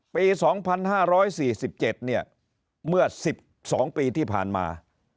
ปี๒๕๔๗เนี่ยเมื่อ๑๒ปีที่ผ่านมา